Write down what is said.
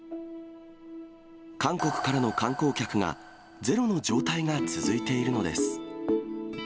韓国からの観光客がゼロの状態が続いているのです。